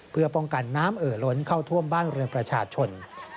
เพื่อป้องกันน้ำเอ่อล้นเข้าท่วมบ้านเรือนประชาชน